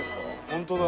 ホントだ。